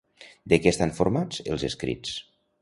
De què estan formats els escrits?